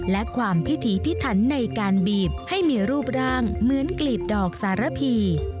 และความพิถีพิถันในการบีบให้มีรูปร่างเหมือนกลีบดอกสารพี